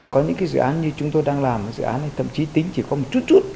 có những cái dự án như chúng tôi đang làm dự án này thậm chí tính chỉ có một chút chút